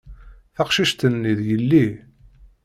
Taqcict-nni, d yelli.